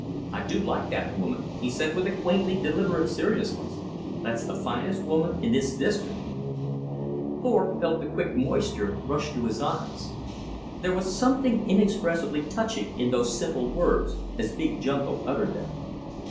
"I do like that woman," said he with a quaintly deliberate seriousness. "That's the finest woman in this district." Thorpe felt the quick moisture rush to his eyes. There was something inexpressibly touching in those simple words as Big Junko uttered them.